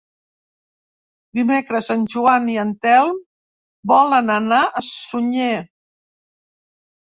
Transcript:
Dimecres en Joan i en Telm volen anar a Sunyer.